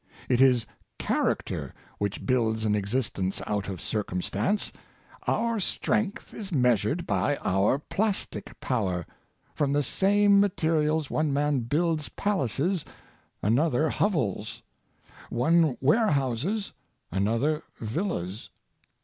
It is character which builds an existence out of circumstance. Our strength is measured by our plastic power. From the same materials one man builds palaces, another hovels: one warehouses, another villas.